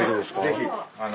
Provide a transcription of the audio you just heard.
ぜひ。